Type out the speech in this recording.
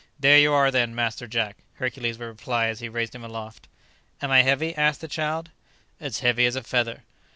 "There you are, then, Master Jack," Hercules would reply as he raised him aloft. "Am I heavy?" asked the child, "As heavy as a feather."